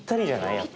やっぱり。